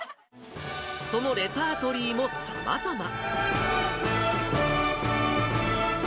そのレパートリーもさまざま。